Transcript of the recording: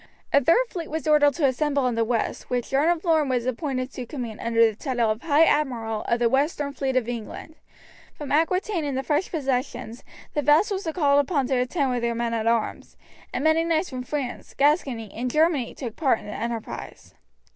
A third fleet was ordered to assemble in the west, which John of Lorne was appointed to command under the title of High Admiral of the Western Fleet of England. From Aquitaine and the French possessions the vassals were called upon to attend with their men at arms, and many knights from France, Gascony, and Germany took part in the enterprise.